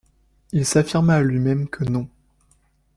Il s’affirma à lui-même que non.